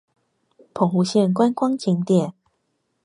澎湖縣觀光景點